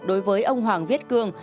đối với ông hoàng viết cương